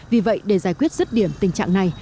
vì vậy để giải quyết rứt điểm tình trạng này